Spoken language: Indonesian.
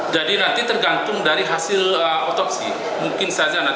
jadi nanti tergantung dari hasil otopsi mungkin saja nanti ada semacam